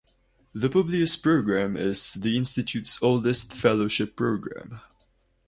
The Publius program is the Institute's oldest fellowship program.